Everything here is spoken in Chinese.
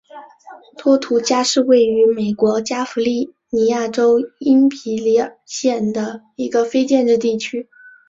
托图加是位于美国加利福尼亚州因皮里尔县的一个非建制地区。